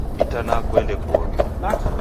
Itanaa kuende kuoghe